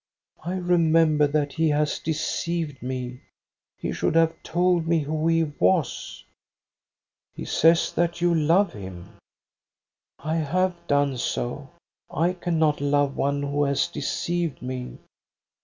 "' I remember that he .has deceived me. He should have told me who he was.' "* He says that you love him. *"' I have done so. I cannot love one who has deceived me.'